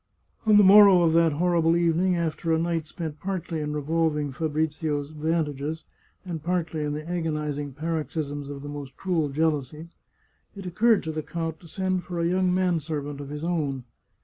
On the morrow of that horrible evening, after a night spent partly in revolving Fabrizio's advantages, and partly in the agonizing paroxysms of the most cruel jealousy, it occurred to the count to send for a young man servant of his own.